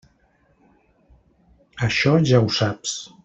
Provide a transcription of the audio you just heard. Això ja ho saps.